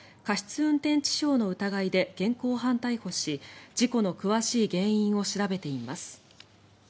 運転致傷の疑いで現行犯逮捕し事故の詳しい原因を調べています。